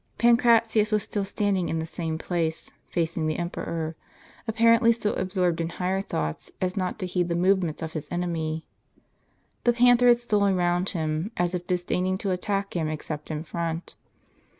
Pan cratius was still standing in the same place, facing the em peror, apparently so absorbed in higher thoughts as not to heed the movements of his enemy. The panther had stolen round him, as if disdaining to attack him except in front.